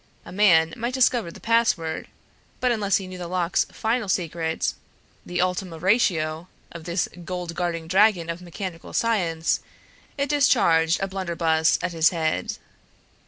A man might discover the password; but unless he knew the lock's final secret, the ultima ratio of this gold guarding dragon of mechanical science, it discharged a blunderbuss at his head.